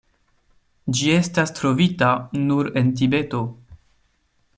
Ĝi estas trovita nur en Tibeto.